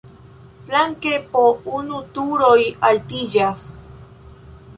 Flanke po unu turoj altiĝas.